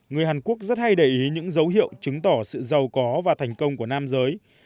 người hàn quốc rất hay để ý những dấu hiệu chứng tỏ sự giàu có và thành công của nam giới